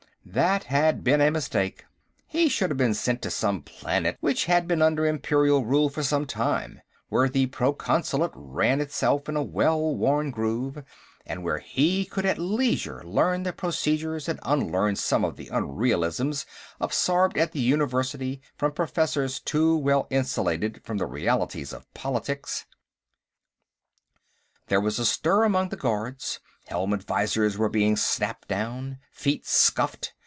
That had been the mistake. He should have been sent to some planet which had been under Imperial rule for some time, where the Proconsulate ran itself in a well worn groove, and where he could at leisure learn the procedures and unlearn some of the unrealisms absorbed at the University from professors too well insulated from the realities of politics. There was a stir among the guards; helmet visors were being snapped down; feet scuffed.